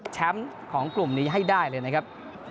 แชมป์ของกลุ่มนี้ให้ได้เลยนะครับ